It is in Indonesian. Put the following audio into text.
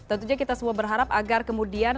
tentunya kita semua berharap agar kemudian ada payung